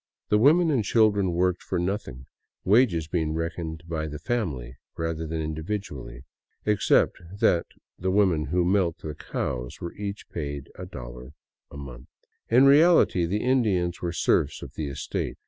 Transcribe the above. The women and chil dren worked for nothing, wages being reckoned by family rather than individually, except that the women who milked the cows were each paid a dollar a month. In reality, the Indians were serfs of the estate.